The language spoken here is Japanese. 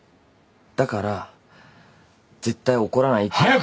だから絶対怒らないって。